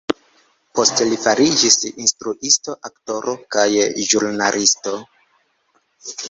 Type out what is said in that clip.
Poste li fariĝis instruisto, aktoro kaj ĵurnalisto.